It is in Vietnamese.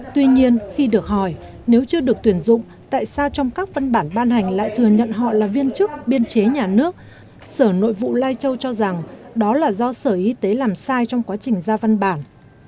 tuy nhiên khi được hỏi nếu chưa được tuyển dụng tại sao trong các văn bản ban hành lại thừa nhận họ là viên chức biên chế nhà nước sở nội vụ lai châu cho rằng đó là do sở y tế làm sai trong quá trình ra văn bản